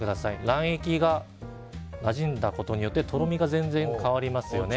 卵液がなじんだことによってとろみが全然変わりますよね。